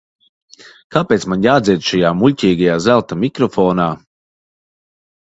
Kāpēc man jādzied šajā muļķīgajā zelta mikrofonā?